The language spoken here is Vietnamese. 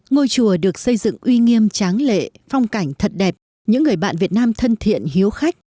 ngôi chùa được xây dựng uy nghiêm tráng lệ phong cảnh thật đẹp những người bạn việt nam thân thiện hiếu khách